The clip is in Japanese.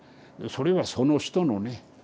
それはその人のね